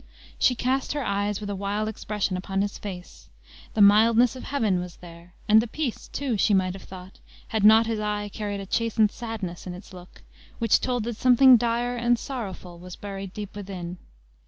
She cast her eyes with a wild expression upon his face. The mildness of heaven was there; and the peace, too, she might have thought, had not his eye carried a chastened sadness in its look, which told that something dire and sorrowful was buried deep within.